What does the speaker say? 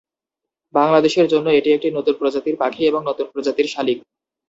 বাংলাদেশের জন্য এটি একটি নতুন প্রজাতির পাখি এবং নতুন প্রজাতির শালিক।